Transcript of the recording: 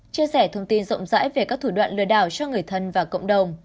chia sẻ thông tin rộng rãi về các thủ đoạn lừa đảo cho người thân và cộng đồng